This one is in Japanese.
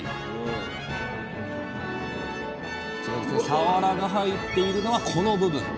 さわらが入っているのはこの部分。